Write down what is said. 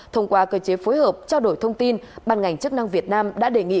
thông qua cơ chế phối hợp trao đổi thông tin ban ngành chức năng việt nam đã đề nghị